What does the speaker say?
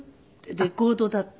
レコードだって。